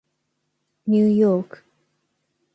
ニューヨーク